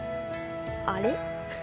あれ？